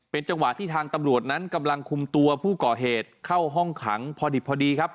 จังหวะที่ทางตำรวจนั้นกำลังคุมตัวผู้ก่อเหตุเข้าห้องขังพอดิบพอดีครับ